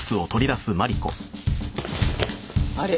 あれ？